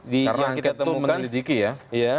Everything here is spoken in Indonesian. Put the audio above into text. karena kita tuh menelidiki ya